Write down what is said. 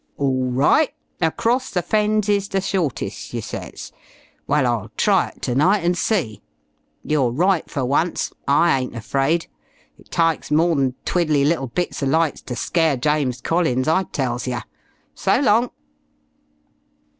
"Orl right! Across the Fens is the shortest, you says. Well, I'll try it ternight and see. You're right fer once. I ain't afraid. It tykes more'n twiddley little bits er lights ter scare James Collins, I tells yer. So long."